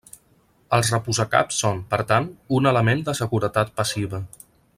Els reposacaps són, per tant, un element de seguretat passiva.